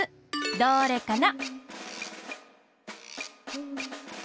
どれかな？